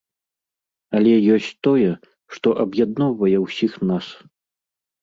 Але ёсць тое, што аб'ядноўвае ўсіх нас.